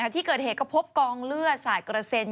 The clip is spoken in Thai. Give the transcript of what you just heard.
ที่เกิดเหตุก็พบกองเลือดสาดกระเซ็น